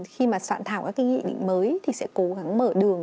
khi mà soạn thảo các cái nghị định mới thì sẽ cố gắng mở đường